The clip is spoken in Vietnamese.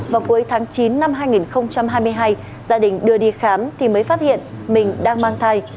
vào cuối tháng chín năm hai nghìn hai mươi hai gia đình đưa đi khám thì mới phát hiện mình đang mang thai